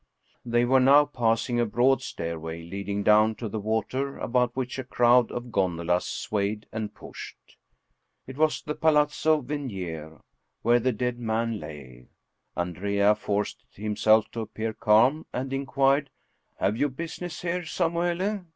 They were now passing a broad stairway leading down to the water, about which a crowd of gondolas swayed and pushed. It was the Palazzo Venier, where the dead man lay. Andrea forced himself to appear calm, and inquired, " Have you business here, Samuele?